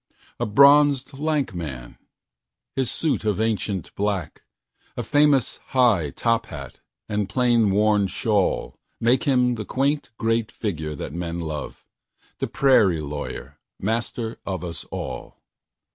A bronzed, lank man! His suit of ancient black,A famous high top hat and plain worn shawlMake him the quaint great figure that men love, The prairie lawyer, master of us all.